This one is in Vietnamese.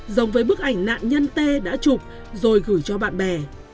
giống với bức ảnh nạn nhân tê đã chụp rồi gửi cho bạn bè